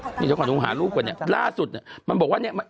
เดี๋ยวขอดูหาลูกก่อนเนี่ยล่าสุดเนี่ยมันบอกว่าเนี่ย